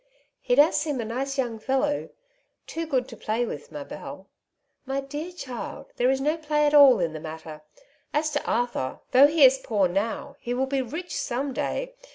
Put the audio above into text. "Ho does seem a nice young fellow, too good to play with, ma belle.'^ "My dear child, there is no play at all in the matter. As to Arthur, though he is poor now, he will be rich some day.